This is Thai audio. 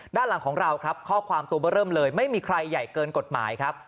ด้านหลังของเราครับข้อความตัวเบอร์เริ่มเลยไม่มีใครใหญ่เกินกฎหมายครับ